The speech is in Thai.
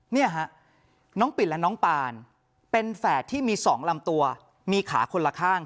เนี่ยฮะน้องปิดและน้องปานเป็นแฝดที่มี๒ลำตัวมีขาคนละข้าง